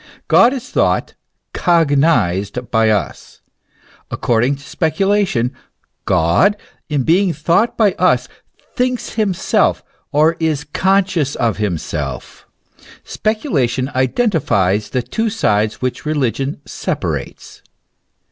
God is thought, cognized by us. According to speculation, God, in being thought by us, thinks himself or is conscious of himself ; speculation identifies the two sides which religion separates.